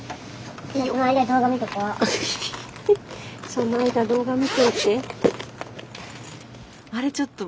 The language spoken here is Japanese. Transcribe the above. その間動画見といて。